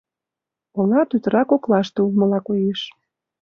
Ола тӱтыра коклаште улмыла коеш.